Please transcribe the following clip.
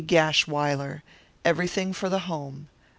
Gashwiler Everything For The Home.